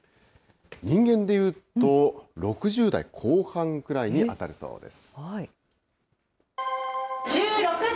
人間でいうと、６０代後半ぐらいに当たるそうです。